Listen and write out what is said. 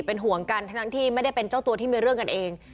เป็นห่วงกันทั้งที่ไม่ได้เป็นเจ้าตัวที่มีเรื่องกันเอง